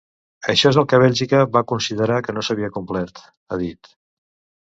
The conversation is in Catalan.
Això és el que Bèlgica va considerar que no s’havia complert, ha dit.